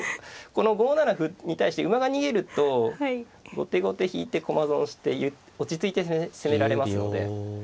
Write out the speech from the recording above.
この５七歩に対して馬が逃げると後手後手引いて駒損して落ち着いて攻められますので。